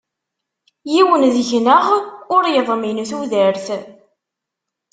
Yiwen deg-neɣ ur yeḍmin tudert.